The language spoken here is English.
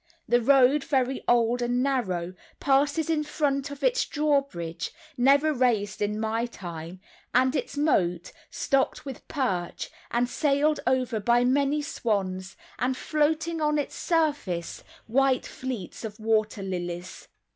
The road, very old and narrow, passes in front of its drawbridge, never raised in my time, and its moat, stocked with perch, and sailed over by many swans, and floating on its surface white fleets of water lilies.